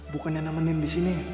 bukannya namanin disini